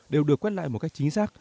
đều được quét lại một cách chính xác